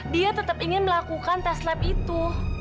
dia tetap ingin melakukan tes lab itu